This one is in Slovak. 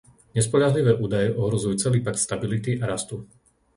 Nespoľahlivé údaje ohrozujú celý Pakt stability a rastu.